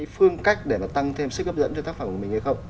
phương cách để mà tăng thêm sức hấp dẫn cho tác phẩm của mình hay không